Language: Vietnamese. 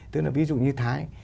tức là ví dụ như thái